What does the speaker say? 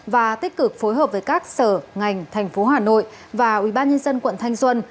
và tích cực phối hợp với các sở ngành thành phố hà nội và ubnd quận thanh xuân